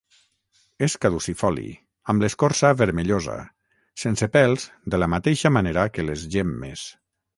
És caducifoli, amb l'escorça vermellosa, sense pèls de la mateixa manera que les gemmes.